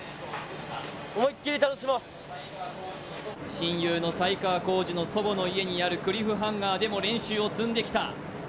親友の才川コージの祖母の家にあるクリフハンガーでも練習を積んできた